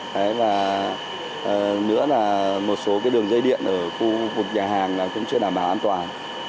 đấy và nữa là một số cái đường dây điện ở khu vực nhà hàng là cũng chưa đảm bảo an toàn